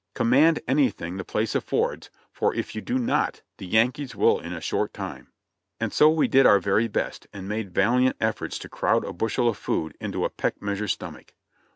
"Command anything the place affords, for if you do not, the Yankees will in a short time." And so we did our very best, and made valiant efforts to crowd a bushel of food into a peck measure stomach.